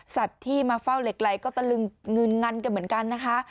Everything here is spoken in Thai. สัตว์ที่มาเฝ้าเหล็กไหลก็ตะลึงงึนงันกันเหมือนกันนะคะ